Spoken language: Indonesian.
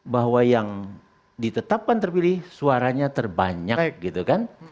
bahwa yang ditetapkan terpilih suaranya terbanyak